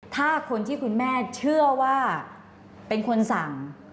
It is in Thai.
ถ้าคนที่คุณแม่เชื่อว่าเป็นคนสั่ง